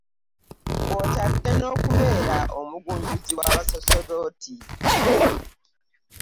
Kw'otadde n'okubeera omugunjuzi w'abasaaseredooti.